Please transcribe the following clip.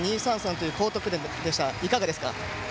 という高得点でしたが、いかがですか？